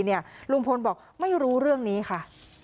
ลุงพลบอกไม่รู้เรื่องนี้ค่ะ